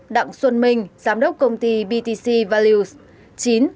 tám đặng xuân minh giám đốc công ty btc values